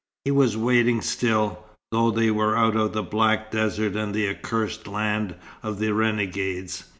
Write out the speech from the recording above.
He was waiting still, though they were out of the black desert and the accursed land of the renegades.